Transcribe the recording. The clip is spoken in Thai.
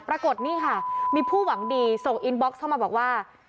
ปรากฏนี่ค่ะมีผู้หวังดีส่งอินบ็อกซ์เข้ามาบอกว่า